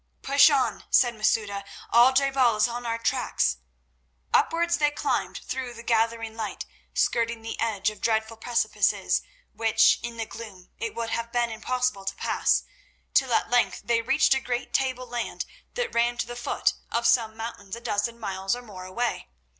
"Push on," said Masouda, "Al je bal is on our tracks." Upwards they climbed through the gathering light, skirting the edge of dreadful precipices which in the gloom it would have been impossible to pass, till at length they reached a great table land, that ran to the foot of some mountains a dozen miles or more away.